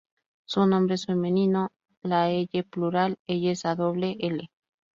Su nombre es femenino: la elle, plural elles o doble ele.